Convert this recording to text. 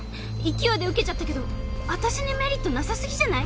勢いで受けちゃったけど私にメリットなさすぎじゃない？